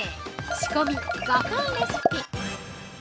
仕込み５分レシピ。